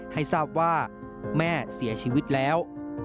ให้ทราบว่าแม่เสียชีวิตแล้ว